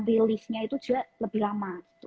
release nya itu juga lebih lama